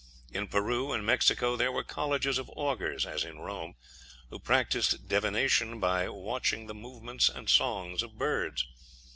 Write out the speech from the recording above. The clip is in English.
In Peru and Mexico there were colleges of augurs, as in Rome, who practised divination by watching the movements and songs of birds.